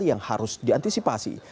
yang harus diantisipasi